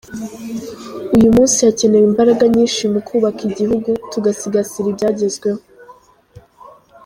Uyu munsi hakenewe imbaraga nyinshi mu kubaka igihugu tugasigasira ibyagezweho.